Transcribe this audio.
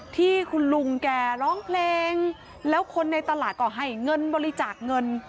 ที่คุณลุงแกร้องเพลงแล้วคนในตลาดก็ให้เงินบริจาคเงิน